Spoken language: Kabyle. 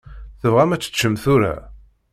Tebɣam ad teččem tura?